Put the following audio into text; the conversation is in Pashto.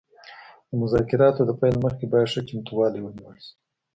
د مذاکراتو د پیل مخکې باید ښه چمتووالی ونیول شي